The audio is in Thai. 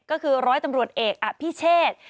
ก็คือร้อยตำรวจเอกอภิเชษ